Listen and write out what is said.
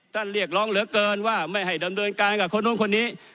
เรียกร้องเหลือเกินว่าไม่ให้ดำเนินการกับคนนู้นคนนี้